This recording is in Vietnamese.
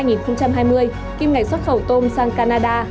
kim ngày xuất khẩu tôm sang canada